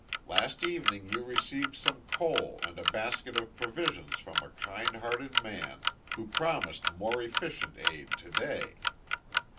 Last evening you received some coal and a basket of provisions from a kind hearted man, who promised more efficient aid to day.